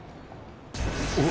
お！